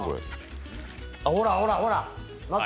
ほらほらほら。